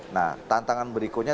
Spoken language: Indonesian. nah tantangan berikutnya